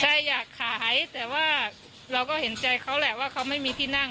ใช่อยากขายแต่ว่าเราก็เห็นใจเขาแหละว่าเขาไม่มีที่นั่ง